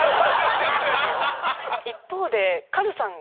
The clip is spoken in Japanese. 一方でカズさんが。